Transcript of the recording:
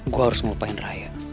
gue harus ngelupain raya